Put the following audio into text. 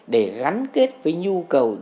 để gắn kết với nhu cầu